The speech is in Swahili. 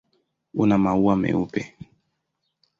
Una maua meupe.